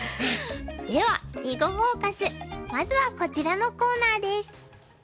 では「囲碁フォーカス」まずはこちらのコーナーです。